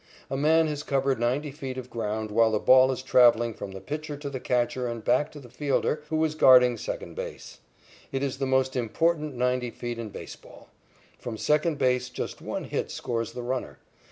A man has covered ninety feet of ground while the ball is travelling from the pitcher to the catcher and back to the fielder who is guarding second base. It is the most important ninety feet in baseball. From second base just one hit scores the runner.